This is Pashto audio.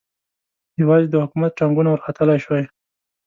یوازې د حکومت ټانګونه ورختلای شوای.